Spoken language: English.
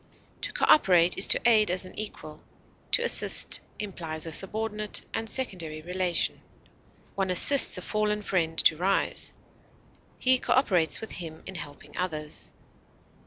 To cooperate is to aid as an equal; to assist implies a subordinate and secondary relation. One assists a fallen friend to rise; he cooperates with him in helping others.